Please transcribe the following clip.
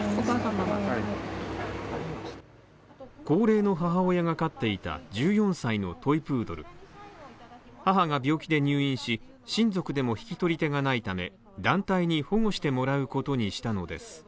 高齢の母親が飼っていた１４歳のトイプードル母が病気で入院し、親族でも引き取り手がないため、団体に保護してもらうことにしたのです。